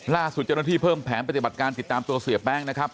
ล่าสุดเจ้าหน้าที่เพิ่มแผนปฏิบัติการติดตามตัวเสียแป้งนะครับ